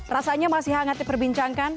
rasanya masih hangat diperbincangkan